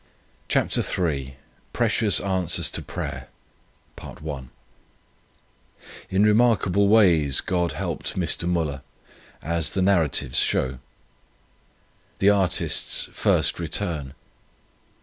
CHAPTER III PRECIOUS ANSWERS TO PRAYER In remarkable ways God helped Mr. Müller as "The Narratives" show: THE ARTIST'S FIRST RETURN.